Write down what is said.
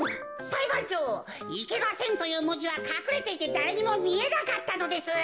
さいばんちょう「いけません」というもじはかくれていてだれにもみえなかったのです。